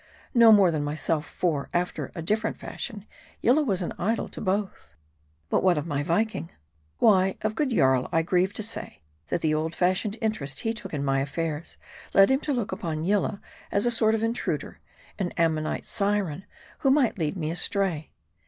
No more than myself; for, after a different fashion, Yillah was an idol to both. But what of my Viking ? Why, of good Jarl I grieve to say, that the old fashioned interest he took in my affairs led him to look upon Yillah as a sort of intruder, an Am monite syren, who might lead me astray.